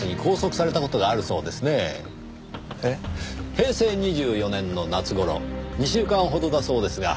平成２４年の夏頃２週間ほどだそうですが。